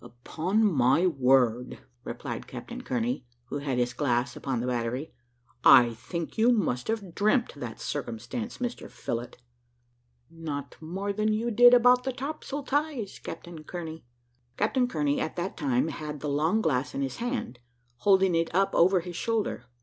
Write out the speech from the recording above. "Upon my word," replied Captain Kearney, who had his glass upon the battery, "I think you must have dreamt that circumstance, Mr Phillott." "Not more than you did about the topsail ties, Captain Kearney." Captain Kearney at that time had the long glass in his hand, holding it up over his shoulder.